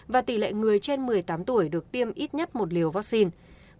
và tỷ lệ người trên một mươi tám tuổi được tiêm ít nhất một liều vaccine